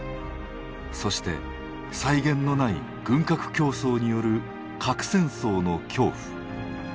そして際限のない軍拡競争による核戦争の恐怖。